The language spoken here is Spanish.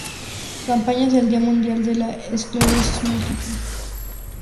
Campañas del Día Mundial de la Esclerosis Múltiple